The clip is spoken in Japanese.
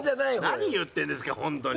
何言ってるんですかホントに。